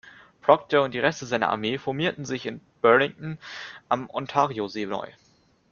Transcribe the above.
Procter und die Reste seiner Armee formierten sich in Burlington am Ontariosee neu.